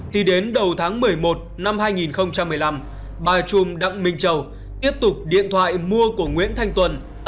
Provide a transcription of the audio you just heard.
thì đến đầu tháng một mươi một năm hai nghìn một mươi năm bà trùm đặng minh châu tiếp tục điện thoại mua của nguyễn thanh tuân